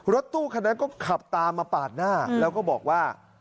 รถตู้คันนั้นก็ขับตามมาปาดหน้าแล้วก็บอกว่า